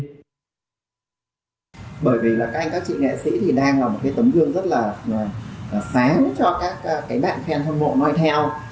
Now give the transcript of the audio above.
trong quá trình giải quyết khủng hoảng truyền thông thiếu thần trọng